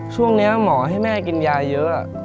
ช่วงนี้หมอให้แม่กินยาเยอะ